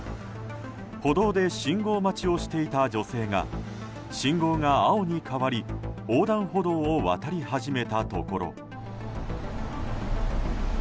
歩道で信号待ちをしていた女性が信号が青に変わり横断歩道を渡り始めたところ。